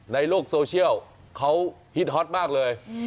ในโลกโซเชียลเขาฮิตฮอตมากเลย